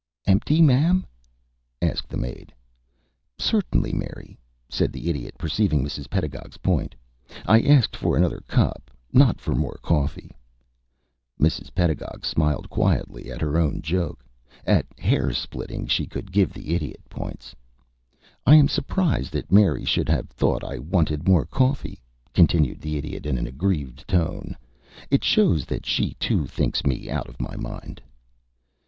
"Empty, ma'am?" asked the maid. "Certainly, Mary," said the Idiot, perceiving Mrs. Pedagog's point. "I asked for another cup, not for more coffee." [Illustration: "CERTAINLY. I ASKED FOR ANOTHER CUP"] Mrs. Pedagog smiled quietly at her own joke. At hair splitting she could give the Idiot points. "I am surprised that Mary should have thought I wanted more coffee," continued the Idiot, in an aggrieved tone. "It shows that she too thinks me out of my mind."